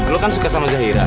lo kan suka sama zahira